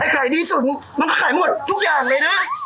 ขายดีสุดมันก็ขายหมดทุกอย่างเลยนะ